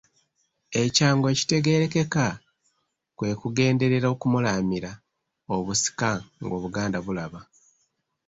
Ekyangu ekitegeerekeka, kwe kugenderera okumulaamira obusika ng'Obuganda bulaba.